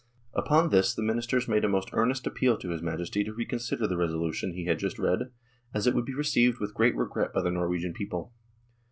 Upon this the Ministers made a most earnest appeal to his Majesty to reconsider the resolution he had just read, as it would be received with great regret by the Norwegian people.